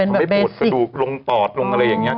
ทำให้ปวดประดูกลงตอดลงอะไรอย่างนี้